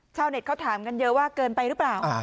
ชาวเน็ตเขาถามกันเยอะว่าเกินไปหรือเปล่า